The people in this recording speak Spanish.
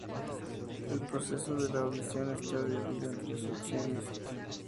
El proceso de la audición está dividido en tres secciones.